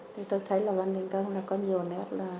thì tôi thấy là văn đình đông là có nhiều nét